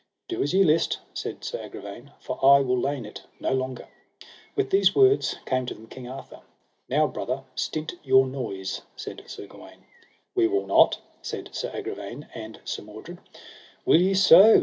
Do as ye list, said Sir Agravaine, for I will lain it no longer. With these words came to them King Arthur. Now brother, stint your noise, said Sir Gawaine. We will not, said Sir Agravaine and Sir Mordred. Will ye so?